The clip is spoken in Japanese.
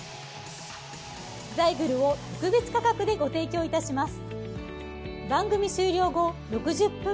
ザイグルを特別価格でご提供いたします。